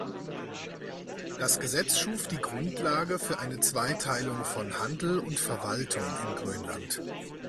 Das Gesetz schuf die Grundlage für eine Zweiteilung von Handel und Verwaltung in Grönland.